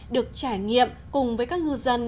được trải nghiệm cùng với các ngư dân